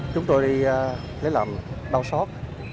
chúng tôi thấy làm đau xót